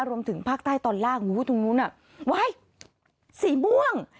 รวมถึงภาคใต้ตอนล่างว้าวเอ้ยสีม่วง